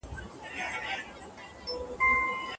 خوشحال په دې شم چې يو ځلې راته گران ووايي